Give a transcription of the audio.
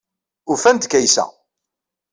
Ufan-d Kaysa.